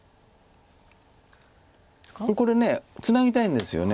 これツナぎたいんですよね。